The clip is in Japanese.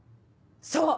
そう！